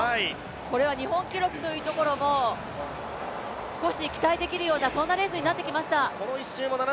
これは日本記録も少し期待できるようなレースになってきました。